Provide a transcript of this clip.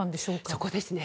そこですね。